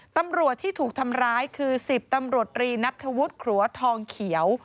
ตำรวจที่ถูกทำร้ายคือ๑๐ตำรวจรีนัทธวุฒิขรัวทองเขียว